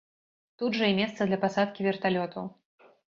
Тут жа і месца для пасадкі верталётаў.